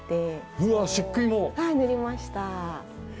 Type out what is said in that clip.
うわ漆喰も⁉塗りました。